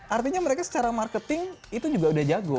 artinya mereka secara marketing itu juga udah jago